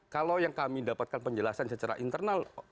kalau yang kami dapatkan penjelasan secara internal